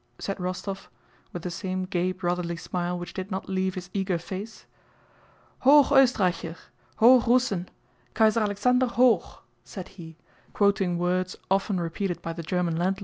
* said Rostóv with the same gay brotherly smile which did not leave his eager face. "Hoch Oestreicher! Hoch Russen! Kaiser Alexander hoch!" *(2) said he, quoting words often repeated by the German landlord.